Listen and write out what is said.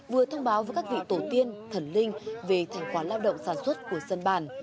vừa thông báo với các vị tổ tiên thần linh về thành quả lao động sản xuất của dân bản